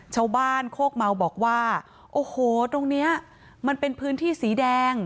ชาวบ้านโคกเมาบอกว่าโอ้โหตรงนี้มันเป็นพื้นที่สีแดง